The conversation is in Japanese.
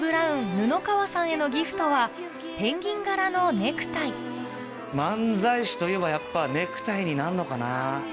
布川さんへのギフトはペンギン柄のネクタイ漫才師といえばやっぱネクタイになんのかな？